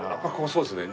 そうですね。